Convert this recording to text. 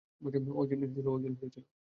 ও একজন হিরো ছিল।